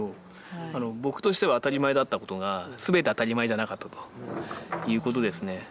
僕としては当たり前だったことが全て当たり前じゃなかったということですね。